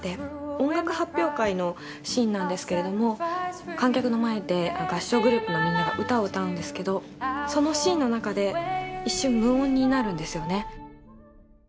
音楽発表会のシーンなんですけれども観客の前で合唱グループのみんなが歌を歌うんですけどそのシーンの中で一瞬無音になるんですよね。